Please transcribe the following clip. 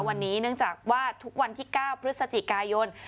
วันนี้เนื่องจากว่าทุกวันที่๙พฤศจิกายน